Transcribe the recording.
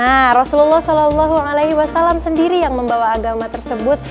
nah rasulullah sallallahu alaihi wasallam sendiri yang membawa agama tersebut